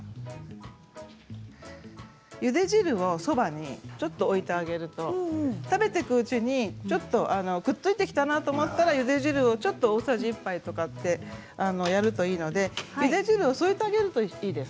ゆで汁を、そばにちょっと置いてあげると食べていくうちに、ちょっとくっついてきたなと思ったらゆで汁を大さじ１杯とかやるといいのでゆで汁を添えてあげるといいです。